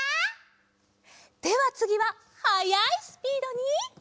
ではつぎははやいスピードに。